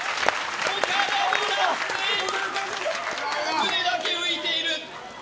船だけ浮いている。